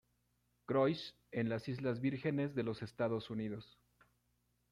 Croix, en las Islas Vírgenes de los Estados Unidos.